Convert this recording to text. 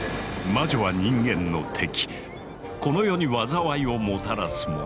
魔女は人間の敵この世に災いをもたらす者。